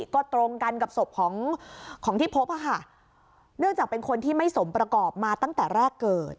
ก็ตรงกันกับศพของของที่พบค่ะเนื่องจากเป็นคนที่ไม่สมประกอบมาตั้งแต่แรกเกิด